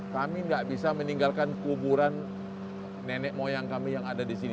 kami tidak bisa meninggalkan kuburan nenek moyang kami yang ada di sini